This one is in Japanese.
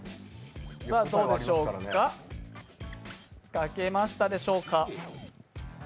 描けましたでしょうか。